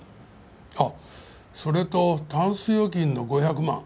あっそれとタンス預金の５００万